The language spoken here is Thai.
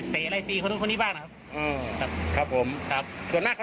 อ๋อเป็นคนเล่อร่อนเนอะ